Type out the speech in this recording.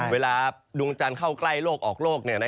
ดวงจันทร์เข้าใกล้โลกออกโลก